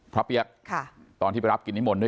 ฝ่ายกรเหตุ๗๖ฝ่ายมรณภาพกันแล้ว